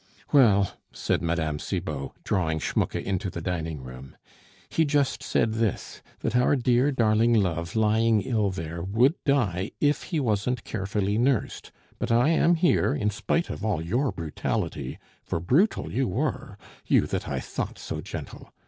"Well," said Mme. Cibot, drawing Schmucke into the dining room, "he just said this that our dear, darling love lying ill there would die if he wasn't carefully nursed; but I am here, in spite of all your brutality, for brutal you were, you that I thought so gentle.